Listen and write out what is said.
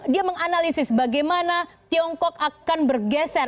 dia menganalisis bagaimana tiongkok akan bergeser